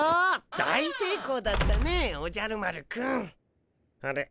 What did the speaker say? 大せいこうだったねおじゃる丸くん。あれ？